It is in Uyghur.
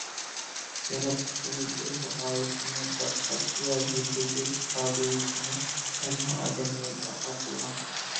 ياراتقۇچىمىز ئۆز غايىسىنى بايقاش ۋە يېتىلدۈرۈش قابىلىيىتىنى ھەممە ئادەملەرگە ئاتا قىلغان.